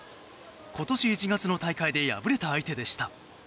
今年１月の大会で敗れた相手でした。